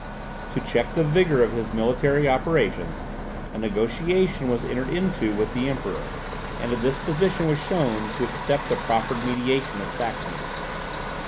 To check the vigour of his military operations, a negotiation was entered into with the Emperor, and a disposition was shown to accept the proffered mediation of Saxony.